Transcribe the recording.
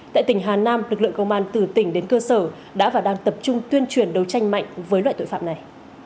tại tỉnh hà nam lực lượng công an từ tỉnh đến cơ sở đã và đang tập trung tuyên truyền đấu tranh mạnh với loại tội phạm này